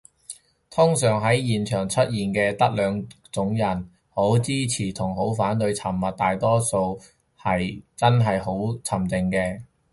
通常喺現場出現嘅得兩種人，好支持同好反對，沉默大多數係真係好靜嘅